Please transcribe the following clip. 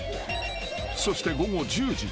［そして午後１０時。